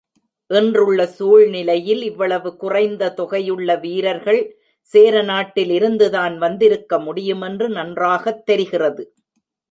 இன்றுள்ள சூழ்நிலையில் இவ்வளவு குறைந்த தொகையுள்ள வீரர்கள் சேரநாட்டிலிருந்துதான் வந்திருக்க முடியுமென்று நன்றாகத் தெரிகிறது.